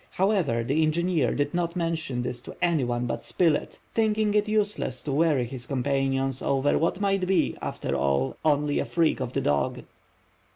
However, the engineer did not mention this to any one but Spilett, thinking it useless to worry his companions with what might be, after all, only a freak of the dog.